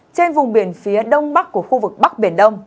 trên vùng biển phía đông bắc của khu vực bắc biển đông